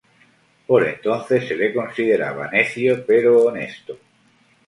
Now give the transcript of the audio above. Por entonces se le consideraba necio, pero honesto.